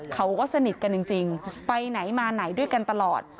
เขาก็สนิทกันจริงไปไหนมาไหนด้วยกันตลอด